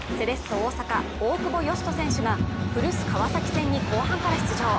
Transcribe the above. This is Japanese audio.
大阪大久保嘉人選手が古巣・川崎戦に後半から出場。